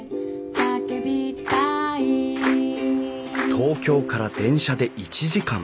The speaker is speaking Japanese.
東京から電車で１時間。